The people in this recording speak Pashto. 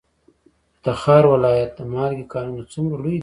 د تخار ولایت د مالګې کانونه څومره لوی دي؟